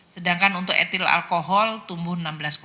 sedangkan untuk etil alkohol tumbuh enam belas